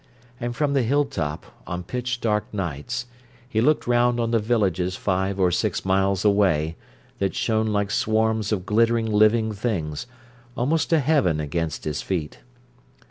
And from the hilltop, on pitch dark nights, he looked round on the villages five or six miles away, that shone like swarms of glittering living things, almost a heaven against his feet.